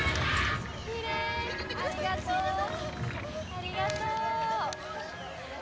ありがとう。